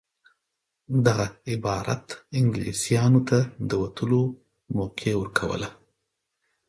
دغه عبارت انګلیسیانو ته د وتلو موقع ورکوله.